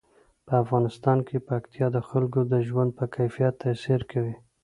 په افغانستان کې پکتیا د خلکو د ژوند په کیفیت تاثیر کوي.